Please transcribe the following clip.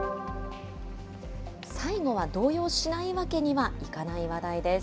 最後は動揺しないわけにはいかない話題です。